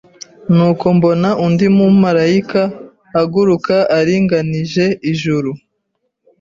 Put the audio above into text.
Nuko mbona undi mumarayika aguruka aringanije ijuru